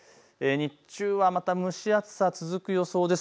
日中はまた蒸し暑さ続く予想です。